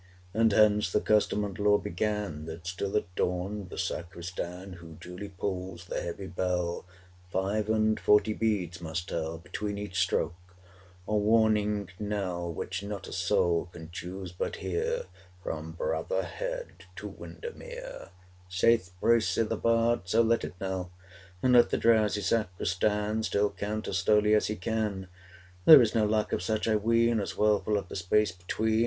And hence the custom and law began That still at dawn the sacristan, Who duly pulls the heavy bell, 340 Five and forty beads must tell Between each stroke a warning knell, Which not a soul can choose but hear From Bratha Head to Wyndermere. Saith Bracy the bard, So let it knell! 345 And let the drowsy sacristan Still count as slowly as he can! There is no lack of such, I ween, As well fill up the space between.